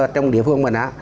trong địa phương mình á